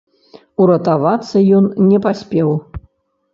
Уратавацца ён не паспеў.